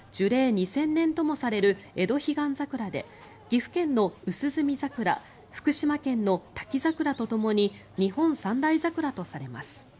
２０００年ともされるエドヒガンザクラで岐阜県の淡墨桜福島県の滝桜とともに日本三大桜とされます。